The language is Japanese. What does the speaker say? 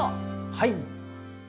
はい！